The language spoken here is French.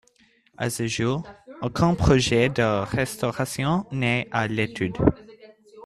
À ce jour, aucun projet de restauration n'est à l'étude.